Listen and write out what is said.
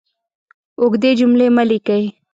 اوږدې جملې مه لیکئ!